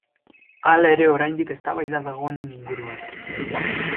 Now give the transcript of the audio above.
Hala ere oraindik eztabaida dago honen inguruan.